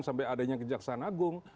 sampai adanya kejaksaan agung